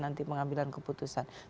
nanti pengambilan keputusan